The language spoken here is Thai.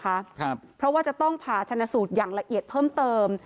ครับเพราะว่าจะต้องผ่าชนะสูตรอย่างละเอียดเพิ่มเติม